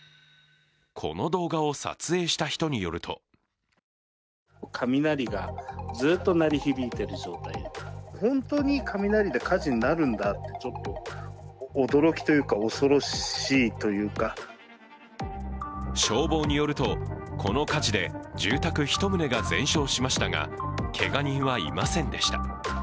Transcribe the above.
この動画を撮影した人によると消防によると、この火事で住宅１棟が全焼しましたがけが人はいませんでした。